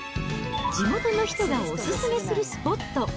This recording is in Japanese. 地元の人がお勧めするスポット。